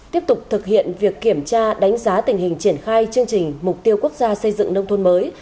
tiếp tục thực hiện việc kiểm tra đánh giá tình hình triển khai chương trình mục tiêu quốc gia xây dựng nông thôn mới